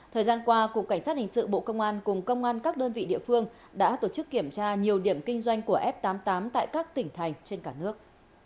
thời gian qua cục cảnh sát hình sự bộ công an cùng công an các đơn vị địa phương đã tổ chức kiểm tra nhiều điểm kinh doanh của f tám mươi tám tại các tỉnh thành trên cả nước